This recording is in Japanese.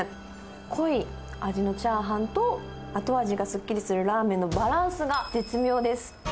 濃い味のチャーハンと、後味がすっきりするラーメンのバランスが絶妙です。